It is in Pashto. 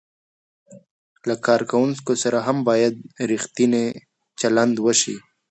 له کارکوونکو سره هم باید ریښتینی چلند وشي.